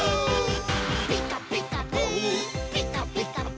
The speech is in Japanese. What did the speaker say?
「ピカピカブ！ピカピカブ！」